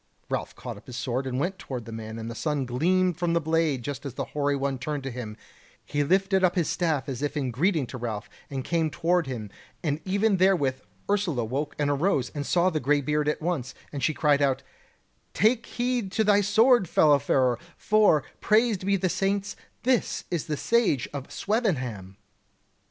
Ralph caught up his sword and went toward the man, and the sun gleamed from the blade just as the hoary one turned to him; he lifted up his staff as if in greeting to Ralph, and came toward him, and even therewith Ursula awoke and arose, and saw the greybeard at once; and she cried out: "Take heed to thy sword, fellow farer, for, praised be the saints, this is the Sage of Swevenham!"